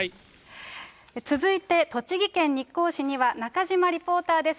続いて、栃木県日光市には中島リポーターです。